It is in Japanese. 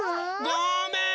ごめん！